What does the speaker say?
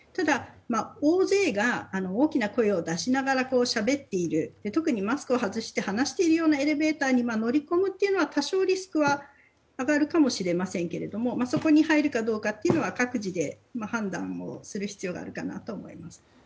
大勢が大きな声を出しながらしゃべっている特にマスクを外して話しているエレベーターに乗り込むというのは多少リスクは上がるかもしれませんがそこに入るかどうかというのは各自で判断をする必要があるかなと思います。